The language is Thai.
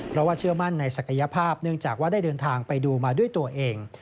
เพราะว่าเชื่อมั่นในศักยภาพเนื่องจากว่าได้เดินทางไปดูมาด้วยตัวเอง